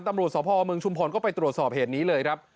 ตำรวจสพเมืองชุมพรก็ไปตรวจสอบเหตุนี้เลยครับ